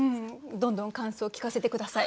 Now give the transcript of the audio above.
どんどん感想聞かせて下さい。